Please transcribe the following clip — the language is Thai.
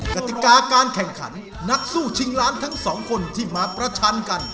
กติกาการแข่งขันนักสู้ชิงล้านทั้งสองคนที่มาประชันกัน